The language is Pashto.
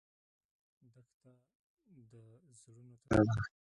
دښته د زړونو تذکره ده.